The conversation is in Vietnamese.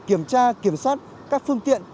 kiểm tra kiểm soát các phương tiện